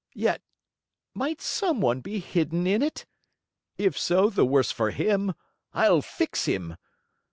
Yet might someone be hidden in it? If so, the worse for him. I'll fix him!"